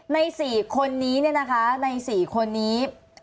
ในสี่คนนี้เนี่ยนะคะในสี่คนนี้